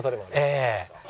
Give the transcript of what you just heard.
ええ。